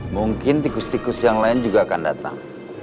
mungkin tikus tikus yang lain juga akan datang